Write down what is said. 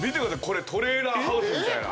これトレーラーハウスみたいな。